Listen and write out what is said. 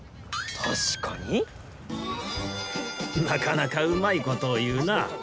なかなかうまいことをいうな。